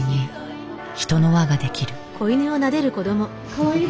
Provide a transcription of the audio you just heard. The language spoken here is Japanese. かわいい。